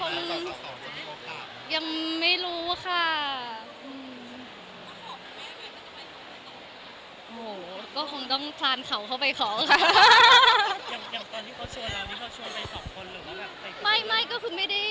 แล้วสองของจะถูกตำ